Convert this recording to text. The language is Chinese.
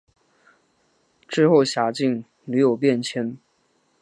之后辖境屡有变迁。